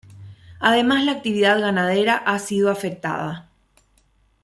Además la actividad ganadera ha sido afectada.